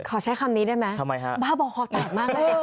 ขอใช้คำนี้ได้ไหมบ้าบอกขอแทบมากเลยทำไมฮะ